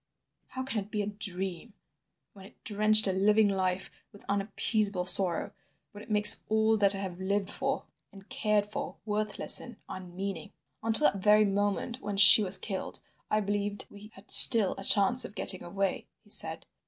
How can it be a dream, when it drenched a living life with unappeasable sorrow, when it makes all that I have lived for and cared for, worthless and unmeaning? "Until that very moment when she was killed I believed we had still a chance of getting away," he said.